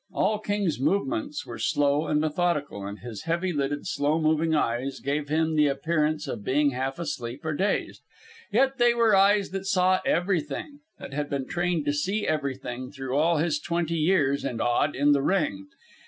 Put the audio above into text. All King's movements were slow and methodical, and his heavy lidded, slow moving eyes gave him the appearance of being half asleep or dazed. Yet they were eyes that saw everything, that had been trained to see everything through all his twenty years and odd in the ring.